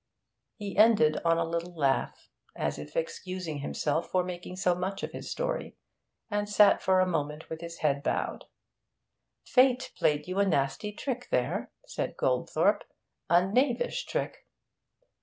He ended on a little laugh, as if excusing himself for making so much of his story, and sat for a moment with head bowed. 'Fate played you a nasty trick there,' said Goldthorpe. 'A knavish trick.'